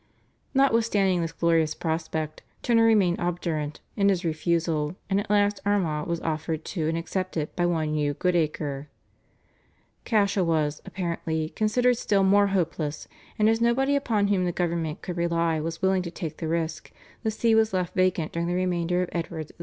Notwithstanding this glorious prospect Turner remained obdurate in his refusal, and at last Armagh was offered to and accepted by one Hugh Goodacre. Cashel was, apparently, considered still more hopeless, and as nobody upon whom the government could rely was willing to take the risk, the See was left vacant during the remainder of Edward VI.'